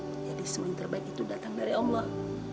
jadi semua yang terbaik itu datang dari allah